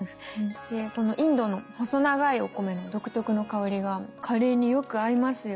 このインドの細長いお米の独特の香りがカレーによく合いますよ。